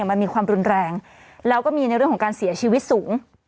มันมีความรุนแรงแล้วก็มีในเรื่องของการเสียชีวิตสูง